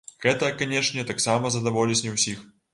Гэта, канечне, таксама задаволіць не ўсіх.